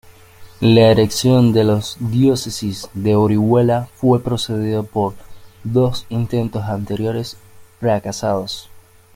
La erección de la diócesis de Orihuela fue precedida por dos intentos anteriores fracasados.